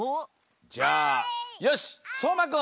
じゃあよしそうまくん！